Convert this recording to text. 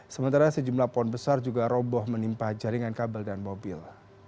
sementara sejumlah pohon besar juga roboh menimpa jaringan kabel dan mobil